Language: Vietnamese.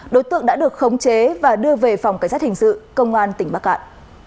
đối tượng đã được khống chế và đưa về phòng cảnh sát hình sự công an tỉnh bắc cạn